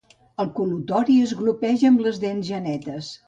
El col·lutori es glopeja amb les dents ja netes.